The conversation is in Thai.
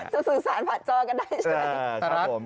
จะสื่อสารผ่านจอกันได้ใช่ไหม